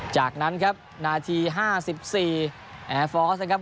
จากนั้นครับนาทีห้าสิบสี่แอร์ฟอร์สนะครับ